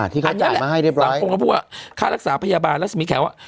ที่เขาจ่ายมาให้เรียบร้อยต่างคนเขาพูดว่าค่ารักษาพยาบาลรัศมีแขนว่า